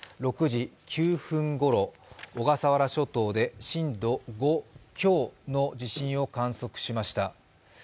６時９分ごろ、小笠原諸島で震度５強の地震を観測しました。